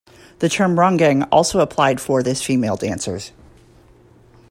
The term "ronggeng" also applied for this female dancers.